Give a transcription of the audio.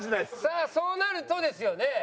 さあそうなるとですよね。